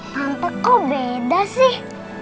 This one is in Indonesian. tante kok beda sih